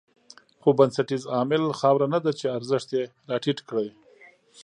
خو بنسټیز عامل خاوره نه ده چې ارزښت یې راټيټ کړی.